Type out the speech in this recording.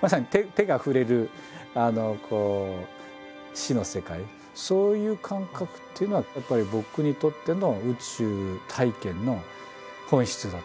まさに手が触れる死の世界そういう感覚っていうのはやっぱり僕にとっての宇宙体験の本質だと。